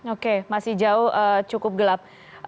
oke masih jauh cukup gelap